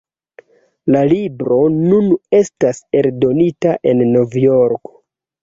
La libro nun estas eldonita en Novjorko.